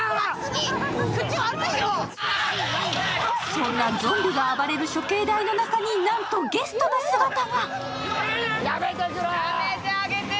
そんなゾンビが暴れる処刑台の中になんとゲストの姿が。